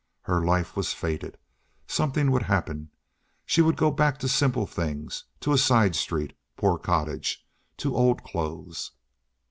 Her life was fated. Something would happen. She would go back to simple things, to a side street, a poor cottage, to old clothes.